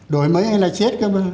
đổi mới hay là chết cơ mà